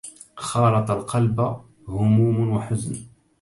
خالط القلب هموم وحزن